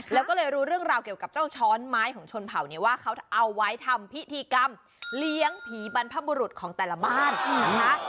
แล้วก็เลยรู้เรื่องราวเกี่ยวกับเจ้าช้อนไม้ของชนเผาเนี่ยว่าเขาเอาไว้ทำพิธีกรรมเลี้ยงผีบรรพบุรุษของแต่ละบ้านนะคะ